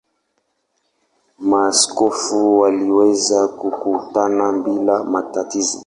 Maaskofu waliweza kukutana bila matatizo.